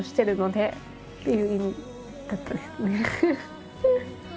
いう意味だったんですね。